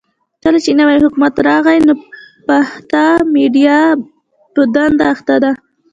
کله چې نوی حکومت راغلی، ناپخته میډيا په دنده اخته ده.